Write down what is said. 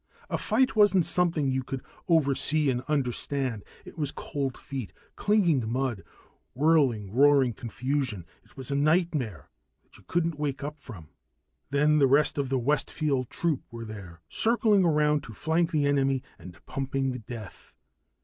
A fight wasn't something you could oversee and understand. It was cold feet, clinging mud, whirling roaring confusion, it was a nightmare that you couldn't wake up from. Then the rest of the Westfield troop were there, circling around to flank the enemy and pumping death.